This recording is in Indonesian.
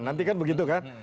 nanti kan begitu kan